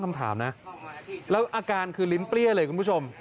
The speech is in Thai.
อาการคือลิ้นเปรี้ยเลยคุณผู้ชม